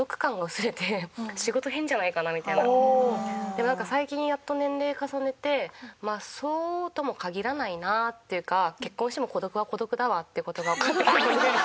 でもなんか最近やっと年齢重ねてまあそうとも限らないなっていうか結婚しても孤独は孤独だわって事がわかってきたので。